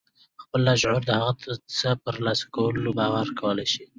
خپل لاشعور د هغه څه په ترلاسه کولو باوري کولای شئ.